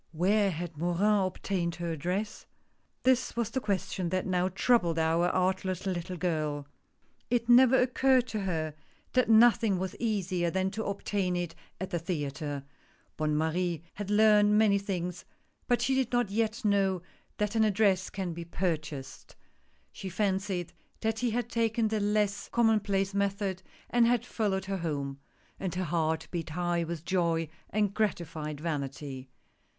"AVhere had Morin obtained her address?" This was the question that now troubled our artless little girl. It never occurred to her that nothing was easier THE PORTRAIT. 129 than to obtain it at the theatre. Bonne Marie had learned many things, but she did not yet know that an address can be purchased. She fancied that he had taken the less commonplace method, and had followed her home, and her heart beat high with joy and grati fied vanity.